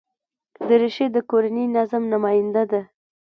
دریشي د کورني نظم نماینده ده.